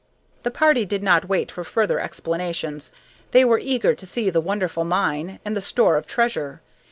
The party did not wait for further explanations. They were eager to see the wonderful mine and the store of treasure.